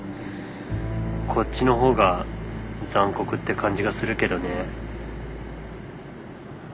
こっちの方が残酷って感じがするけどね。